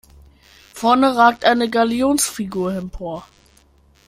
Vorne ragt eine Galionsfigur empor.